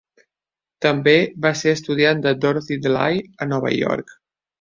També va ser estudiant de Dorothy DeLay a Nova York.